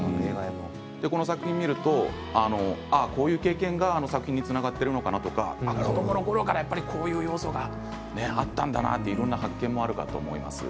この作品の見るとこういう経験が作品につながっているのかなと子どものころからこういう要素があったのかなというような発見もあると思います。